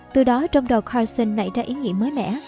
từ đó trong đầu carson nảy ra ý nghĩa mới mẻ